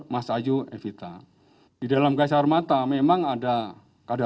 masaju evita di dalam gas air mata memang ada